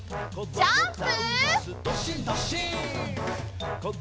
ジャンプ！